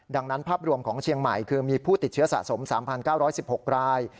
ดังนั้นภาพรวมของเชียงใหม่คือมีผู้ติดเชื้อสะสม๓๙๑๖ราย